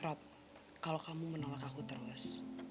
harap kalau kamu menolak aku terus